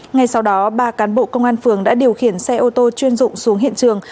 ngay sau đó ba cán bộ công an phường đã điều khiển xe ô tô chuyên dụng xuống hiện trường